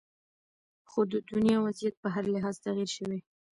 خو د دنیا وضعیت په هر لحاظ تغیر شوې